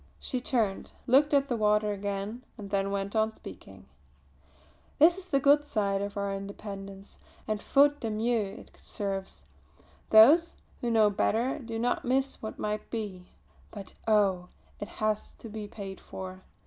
She turned, looked at the water again, and then went on speaking: "This is the good side of our independence and faute de mieux it serves; those who know no better do not miss what might be. But oh! it has to be paid for.